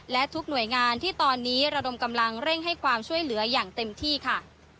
และทุกหน่วยงานที่ตอนนี้ระดมกำลังเร่งให้ความช่วยเหลืออย่างเต็มที่ค่ะ